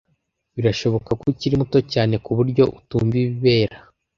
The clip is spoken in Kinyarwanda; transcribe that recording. Birashoboka ko ukiri muto cyane kuburyo utumva ibibera.